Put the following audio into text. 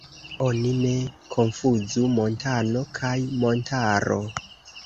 Oni ne konfuzu "montano" kaj "montaro".